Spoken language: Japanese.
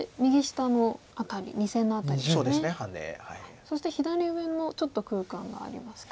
そして左上もちょっと空間がありますか。